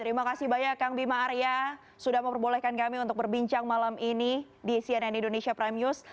terima kasih banyak kang bima arya sudah memperbolehkan kami untuk berbincang malam ini di cnn indonesia prime news